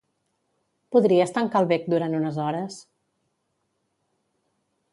Podries tancar el bec durant unes hores?